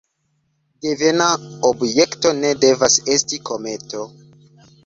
Devena objekto ne devas esti kometo.